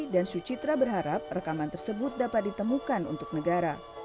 dan suci terabar harap rekaman tersebut dapat ditemukan untuk negara